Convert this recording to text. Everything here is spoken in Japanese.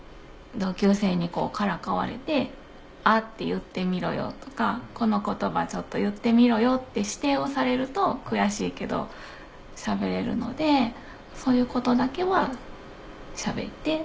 同級生にからかわれて「あっ」て言ってみろよとかこの言葉ちょっと言ってみろよって指定をされると悔しいけどしゃべれるのでそういうことだけはしゃべって。